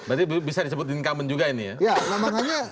berarti bisa disebutin kamen juga ini ya